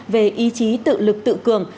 về ý chí tự lực tự cường